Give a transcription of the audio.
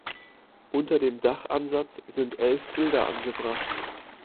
Unter dem Dachansatz sind elf Bilder angebracht.